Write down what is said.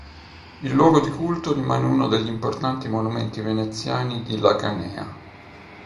Il luogo di culto rimane uno degli importanti monumenti veneziani di La Canea.